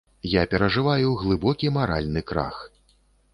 Я перажываю глыбокі маральны крах.